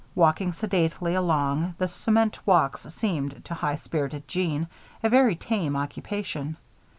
Walking sedately along the cement walks seemed, to high spirited Jeanne, a very tame occupation.